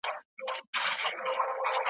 مگر گوره یولوی ځوز دی زما په پښه کی ,